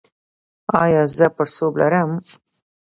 ایا زه پړسوب لرم؟